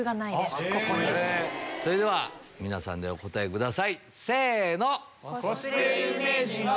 それでは皆さんでお答えくださいせの！